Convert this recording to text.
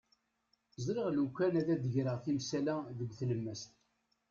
Ẓriɣ lukan ad d-greɣ timsal-a deg tlemmast.